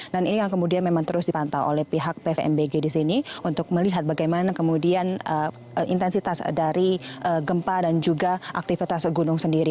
dan ini yang kemudian memang terus dipantau oleh pihak ppmbg di sini untuk melihat bagaimana kemudian intensitas dari gempa dan juga aktivitas gunung sendiri